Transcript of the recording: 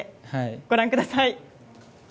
ご覧ください。